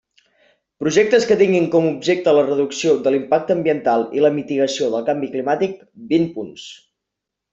Projectes que tinguin com objecte la reducció de l'impacte ambiental i la mitigació del canvi climàtic, vint punts.